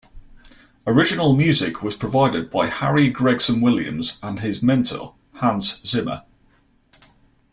Original music was provided by Harry Gregson-Williams and his mentor Hans Zimmer.